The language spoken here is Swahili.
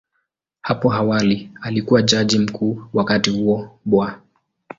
Hapo awali alikuwa Jaji Mkuu, wakati huo Bw.